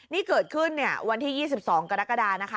นี่เกิดขึ้นเนี่ยวันที่๒๒กรกฎานะคะ